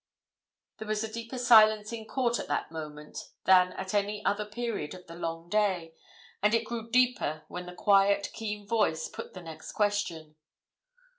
There was a deeper silence in court at that moment than at any other period of the long day, and it grew still deeper when the quiet, keen voice put the next question.